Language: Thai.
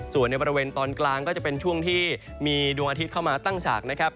ส่วนในบริเวณตอนกลางก็จะเป็นช่วงที่มีดวงอาทิตย์เข้ามาตั้งฉากนะครับ